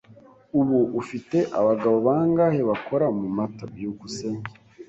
Ubu ufite abagabo bangahe bakora mu mata? byukusenge